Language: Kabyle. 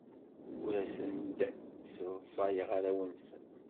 Ur asen-d-sseḍsayeɣ arraw-nsen.